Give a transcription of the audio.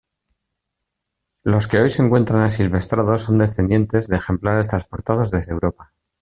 Los que hoy se encuentran asilvestrados son descendientes de ejemplares transportados desde Europa.